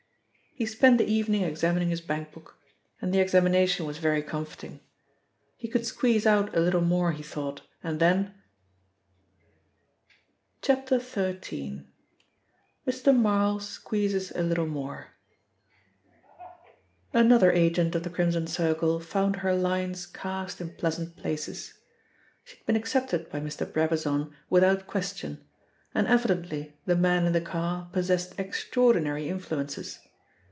He spent the evening examining his bankbook, and the examination was very comforting. He could squeeze out a little more, he thought, and then XIII. — MR. MARL SQUEEZES A LITTLE MORE ANOTHER agent of the Crimson Circle found her lines cast in pleasant places. She had been accepted by Mr. Brabazon without question, and evidently the man in the car possessed extraordinary influences.